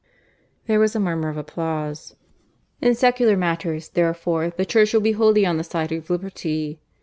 (There was a murmur of applause.) "In secular matters, therefore, the Church will be wholly on the side of liberty.